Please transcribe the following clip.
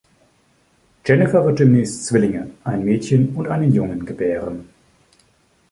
Jennifer wird demnächst Zwillinge - ein Mädchen und einen Jungen - gebären.